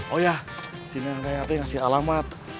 oh ya sini yang kayaknya kasih alamat